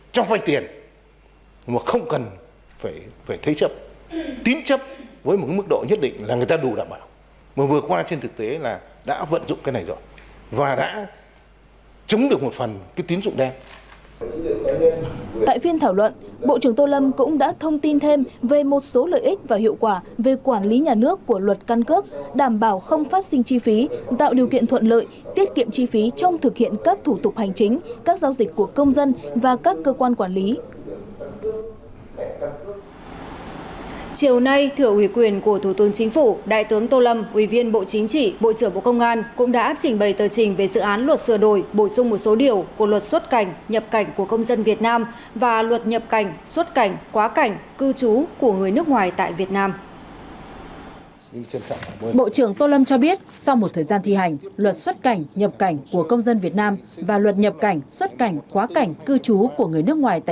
tại phiên thảo luận bộ trưởng tô lâm cũng đã thông tin thêm về một số lợi ích và hiệu quả về quản lý nhà nước của luật căn cước đảm bảo không phát sinh chi phí tạo điều kiện thuận lợi tiết kiệm chi phí trong thực hiện các thủ tục hành chính các giao dịch của công dân và các cơ quan quản lý